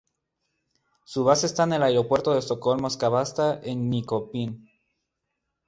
Su base está en el Aeropuerto de Estocolmo-Skavsta en Nyköping.